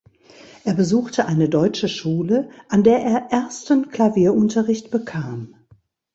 Er besuchte eine deutsche Schule, an der er ersten Klavierunterricht bekam.